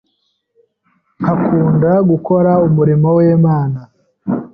nkakunda gukora umurimo w’Imana,